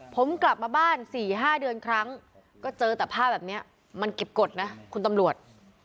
ผมกลับมาบ้าน๔๕เดือนครั้งก็เจอแต่ภาพแบบนี้มันเก็บกฎนะคุณตำรวจ